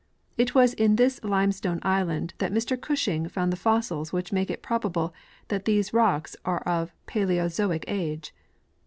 It Avas in this limestone island that Mr Gushing found the fossils Avhich make it probable that these rocks are of Paleozoic age.